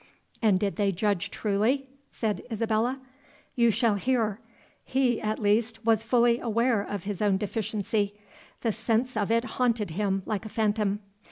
"And did they judge truly?" said Isabella. "You shall hear. He, at least, was fully aware of his own deficiency; the sense of it haunted him like a phantom.